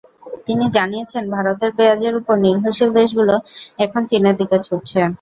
তিনি জানিয়েছেন, ভারতের পেঁয়াজের ওপর নির্ভরশীল দেশগুলো এখন চীনের দিকে ছুটছে।